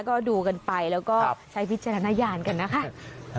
ก็ดูกันไปแล้วก็ใช้วิจารณญาณกันนะคะ